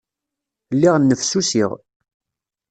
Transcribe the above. Lliɣ nnefsusiɣ.